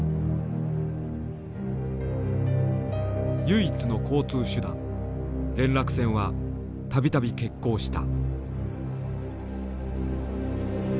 唯一の交通手段連絡船は度々欠航した。